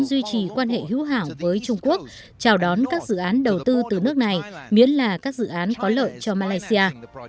duy trì quan hệ hữu hảo với trung quốc chào đón các dự án đầu tư từ nước này miễn là các dự án có lợi cho malaysia